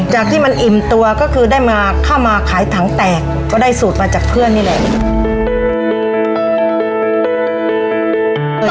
จากที่มันอิ่มตัวก็คือได้มาเข้ามาขายถังแตกก็ได้สูตรมาจากเพื่อนนี่แหละ